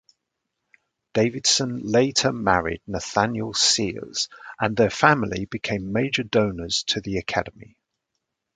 Davidson later married Nathaniel Sears and their family became major donors to the Academy.